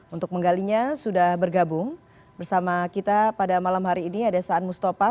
untuk menggalinya sudah bergabung bersama kita pada malam hari ini ada saan mustafa